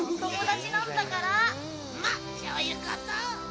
ま、そういうこと！